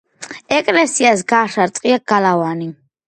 ეკლესიას გარს არტყია გალავანი.